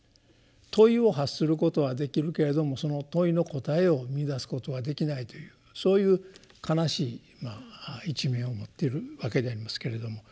問いを発することはできるけれどもその問いの答えを見いだすことはできないというそういう悲しい一面を持ってるわけでありますけれども。